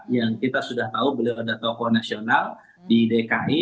yang kita sudah tahu beliau adalah tokoh nasional di dki